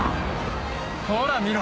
ほら見ろ！